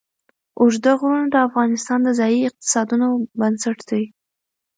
اوږده غرونه د افغانستان د ځایي اقتصادونو بنسټ دی.